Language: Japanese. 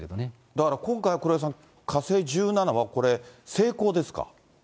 だから今回、黒井さん、火星１７はこれ、成功ですか。